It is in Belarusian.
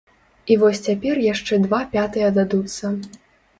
І вось цяпер яшчэ два пятыя дадуцца.